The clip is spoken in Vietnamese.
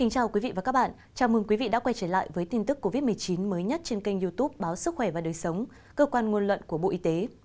chào mừng quý vị đã quay trở lại với tin tức covid một mươi chín mới nhất trên kênh youtube báo sức khỏe và đời sống cơ quan nguồn luận của bộ y tế